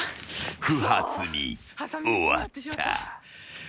［不発に終わった］